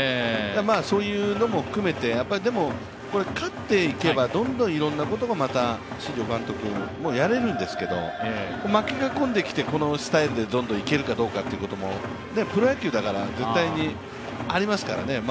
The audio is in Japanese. そういうのも含めて、でも勝っていけはどんどんいろんなことがまた新庄監督もやれるんですけど負けが込んできて、このスタイルでどんどんいけるかというのもプロ野球だから、絶対にありますからね。